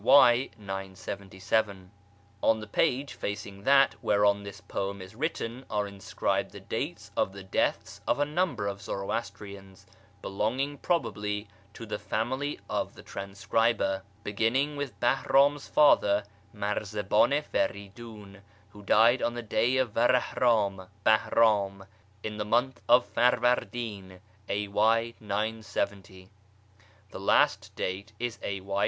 y. 977. On the page facing that whereon this poem is written are inscribed the dates of the deaths of a number of Zoroastrians (belonging, probably, to the family of the transcriber), beginning with Bahram's father Marzaban i Feridun, who died on the day of Varahram (Bahram), in the month of Farvardin, A.Y. 970. The last date is a.y.